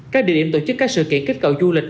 các địa điểm tổ chức các sự kiện kết cậu du lịch